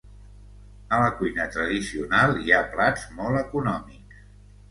A la cuina tradicional hi ha plats molt econòmics.